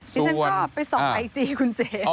สู่วันฉันก็ไปส่งไอจีคุณเจ๊